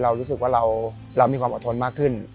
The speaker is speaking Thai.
รู้สึกว่าเรามีความอดทนมากขึ้น